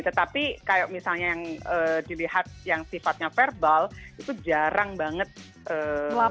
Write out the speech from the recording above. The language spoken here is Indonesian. tetapi kayak misalnya yang dilihat yang sifatnya verbal itu jarang banget